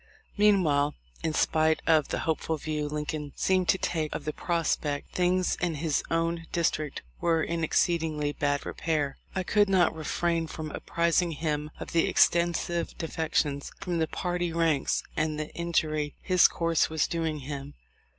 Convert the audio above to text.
Meanwhile, in spite of the hopeful view Lincoln seemed to take of the prospect, things in his own district were in exceedingly bad repair. I could not refrain from apprising him of the extensive defections from the party ranks, and the injury his course was doing him.